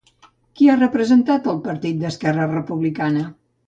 Qui ha representat el partit d'Esquerra Republicana?